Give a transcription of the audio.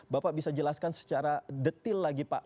bapak bisa jelaskan secara detil lagi pak